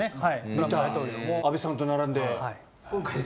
見た安倍さんと並んで。